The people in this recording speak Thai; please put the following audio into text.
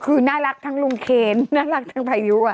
ทิน่ารักจัง